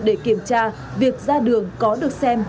để kiểm tra việc ra đường có được xem